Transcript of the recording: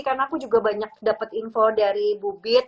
karena aku juga banyak dapat info dari bubit